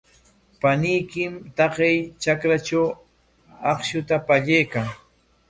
Paniykim taqay trakratraw akshuta pallaykan.